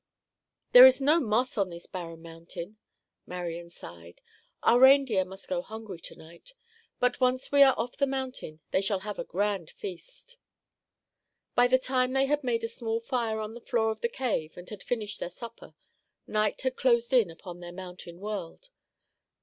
"There is no moss on this barren mountain," Marian sighed. "Our reindeer must go hungry to night, but once we are off the mountain they shall have a grand feast." By the time they had made a small fire on the floor of the cave and had finished their supper, night had closed in upon their mountain world.